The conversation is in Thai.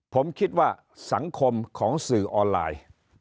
ผมคิดว่าสังคมของสื่อออนไลน์